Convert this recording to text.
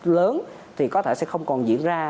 lớn thì có thể sẽ không còn diễn ra